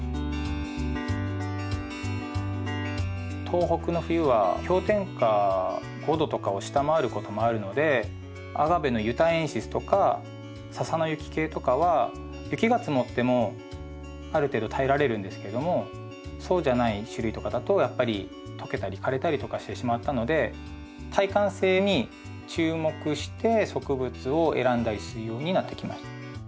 東北の冬は氷点下５℃とかを下回ることもあるのでアガベのユタエンシスとか笹の雪系とかは雪が積もってもある程度耐えられるんですけれどもそうじゃない種類とかだとやっぱりとけたり枯れたりとかしてしまったので耐寒性に注目して植物を選んだりするようになってきました。